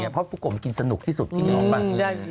เพราะปุโกะมึงกินสนุกที่สุดที่มีน้องบ้าง